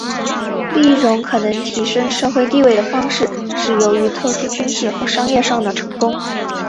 另一种可能提升社会地位的方式是由于特殊的军事或商业上的成功。